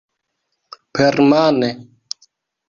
Permane!